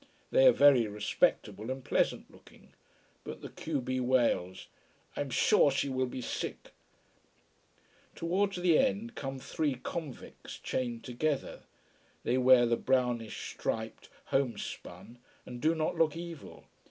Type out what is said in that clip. They are very respectable and pleasant looking. But the q b wails: "I'm sure she will be sick." Towards the end come three convicts, chained together. They wear the brownish striped homespun, and do not look evil.